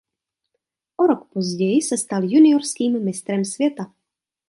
O rok později se stal juniorským mistrem světa.